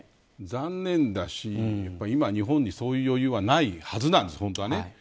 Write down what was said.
残念だし今、日本にそういう余裕はないはずなんです本当は。